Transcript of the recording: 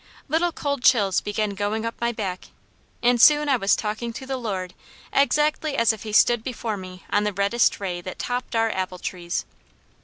Little cold chills began going up my back, and soon I was talking to the Lord exactly as if He stood before me on the reddest ray that topped our apple trees.